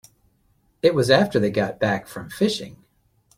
It was after they got back from fishing.